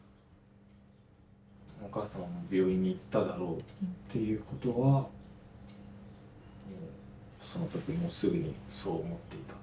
お母様も病院に行っただろうっていうことはもうその時もうすぐにそう思っていた？